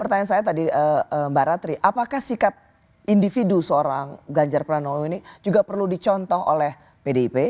pertanyaan saya tadi mbak ratri apakah sikap individu seorang ganjar pranowo ini juga perlu dicontoh oleh pdip